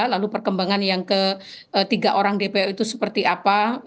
lalu perkembangan yang ketiga orang dpo itu seperti apa